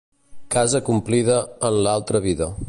Casa complida, en l'altra vida.